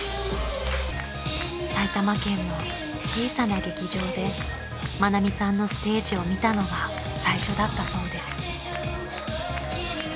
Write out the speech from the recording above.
［埼玉県の小さな劇場で愛美さんのステージを見たのが最初だったそうです］